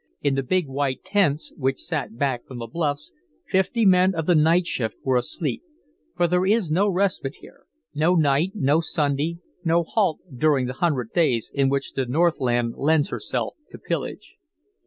In the big white tents which sat back from the bluffs, fifty men of the night shift were asleep; for there is no respite here no night, no Sunday, no halt, during the hundred days in which the Northland lends herself to pillage.